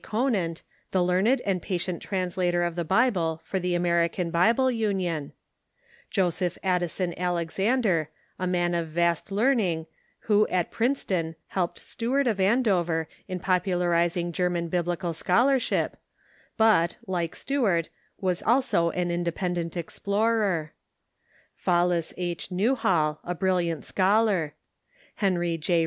Conant, the learned and patient translator of the Bible for the American Bible Union ; Josejjh Addison Alex ander, a man of vast learning, who at Princeton helped Stuart of Andover in popularizing German Biblical schol arship, but, like Stuart, was also an independent explorer ; Fales II. Newhall, a brilliant scholar ; Henry J.